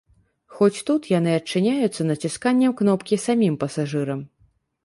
Хоць тут яны адчыняюцца націсканнем кнопкі самім пасажырам.